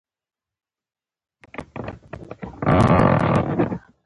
جمله لوستونکي ته مفهوم ورکوي.